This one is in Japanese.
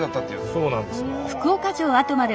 そうなんです。